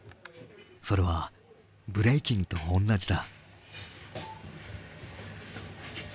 それはブレイキンと同じだ。